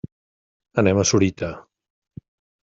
Anem a Sorita.